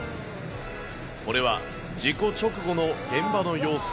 これは、事故直後の現場の様子。